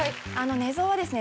寝相はですね